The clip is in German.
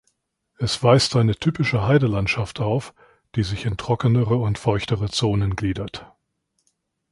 Es weist eine typische Heidelandschaft auf, die sich in trockenere und feuchtere Zonen gliedert.